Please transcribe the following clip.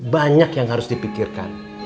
banyak yang harus dipikirkan